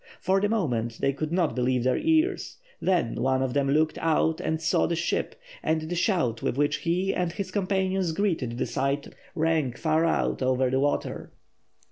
For the moment they could not believe their ears. Then one of them looked out and saw the ship, and the shout with which he and his companions greeted the sight rang far out over the water.